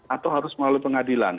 atau harus melalui pengadilan